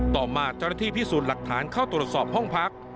ต่อมาเจ้าหน้าที่พิสูจน์หลักฐานเข้าตรวจสอบห้องพัก